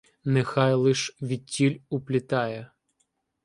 Нехай лиш відтіль уплітає